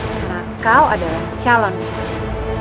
karena kau adalah calon suamiku